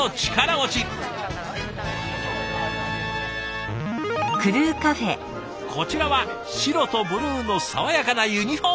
こちらは白とブルーの爽やかなユニフォームコンビ。